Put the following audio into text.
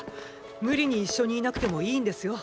無理に一緒にいなくてもいいんですよ。